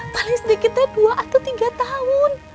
paling sedikitnya dua atau tiga tahun